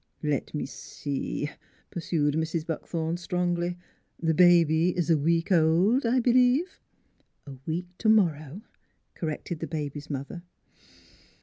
" Let me see," pursued Mrs. Buckthorn strongly. " The ba by is a week old, I be lieve? " 5 8 NEIGHBORS " A week to morrow," corrected the baby's mother.